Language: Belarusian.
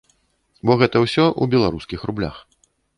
Бо гэта ўсё у беларускіх рублях.